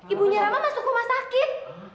ibu nya rama masuk rumah sakit